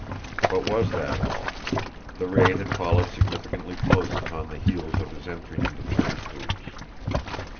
But was that all? The raid had followed significantly close upon the heels of his entry into Chang Foo's.